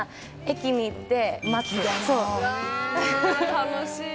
楽しい。